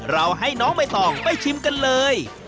เราให้น้องไม่ต่อไปชิมกันเลย